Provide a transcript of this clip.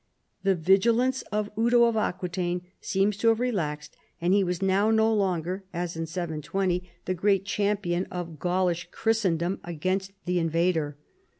The vigilance of Eudo of Aquitaine seems to have relaxed, and he was now no longer, as in 720, the great champion 54 CHARLEMAGNE. of Gaulish Christendoii against the invader.